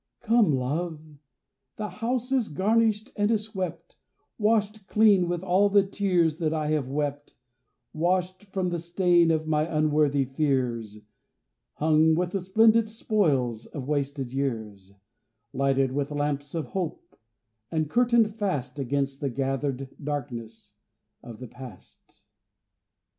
Come, Love! the house is garnished and is swept, Washed clean with all the tears that I have wept, Washed from the stain of my unworthy fears, Hung with the splendid spoils of wasted years, Lighted with lamps of hope, and curtained fast Against the gathered darkness of the past.